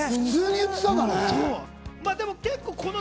普通に言ってたんだね。